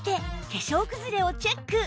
化粧くずれをチェック